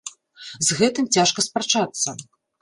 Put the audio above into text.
З гэтым цяжка спрачацца.